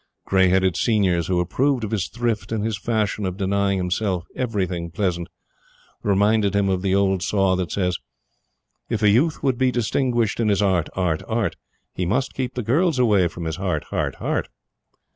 Gray headed seniors, who approved of his thrift and his fashion of denying himself everything pleasant, reminded him of the old saw that says: "If a youth would be distinguished in his art, art, art, He must keep the girls away from his heart, heart, heart."